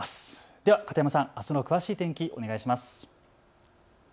では片山さん、あすの詳しい天気をお願いします。